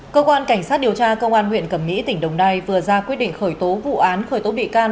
cơ quan cảnh sát điều tra công an huyện cẩm mỹ tỉnh đồng nai vừa ra quyết định khởi tố vụ án khởi tố bị can